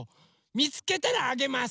みつけたらあげます！